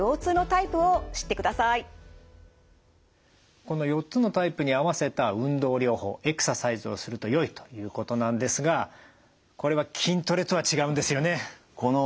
この４つのタイプに合わせた運動療法エクササイズをするとよいということなんですがこれは筋トレとは違うんですよね。